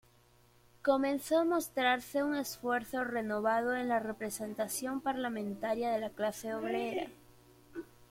Comenzó a mostrarse un esfuerzo renovado en la representación parlamentaria de la clase obrera.